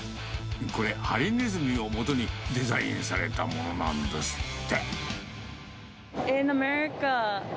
これ、ハリネズミをもとにデザインされたものなんですって。